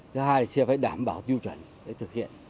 thứ hai là xe phải đảm bảo tiêu chuẩn để thực hiện